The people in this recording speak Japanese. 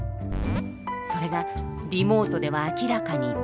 それがリモートでは明らかに低下。